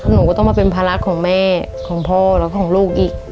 หนูก็ต้องมาเป็นภาระของแม่ของพ่อและของลูกอีก